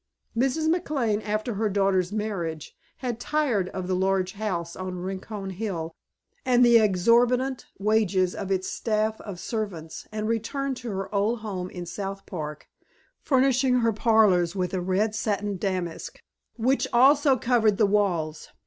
Mrs. McLane, after her daughter's marriage, had tired of the large house on Rincon Hill and the exorbitant wages of its staff of servants, and returned to her old home in South Park, furnishing her parlors with a red satin damask, which also covered the walls.